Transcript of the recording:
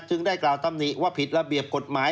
ได้กล่าวตำหนิว่าผิดระเบียบกฎหมาย